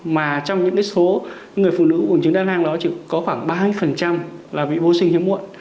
mà trong những số người phụ nữ bùn trứng đa năng đó chỉ có khoảng ba mươi là bị vô sinh hiếm muộn